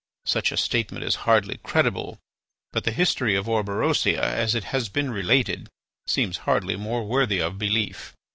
Such a statement is hardly credible, but the history of Orberosia, as it has since been related, seems hardly more worthy of belief.